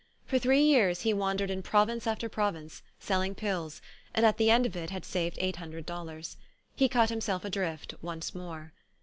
For three years he wan dered in province after province, selling pills, and at the end of it had saved eight hundred dollars. He cut himself adrift once more.